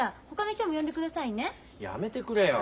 やめてくれよ。